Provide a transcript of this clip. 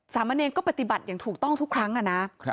สามเณรก็ปฏิบัติอย่างถูกต้องทุกครั้งอะนะ